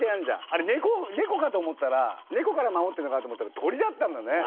あれ猫かと思ったら猫から守ってるのかなと思ってたけど鳥だったんだね。